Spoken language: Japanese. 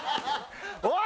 おい！